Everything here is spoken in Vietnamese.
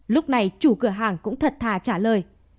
lúc này chủ cửa hàng cũng thật thà trả lời